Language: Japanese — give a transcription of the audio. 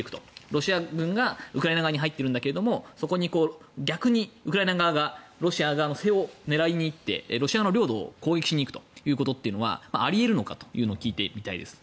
ロシア軍がウクライナ側に入っているんだけどそこに逆にウクライナ側がロシア側の背を狙いにいってロシアの領土を攻撃しにいくということはあり得るのかというのを聞いてみたいです。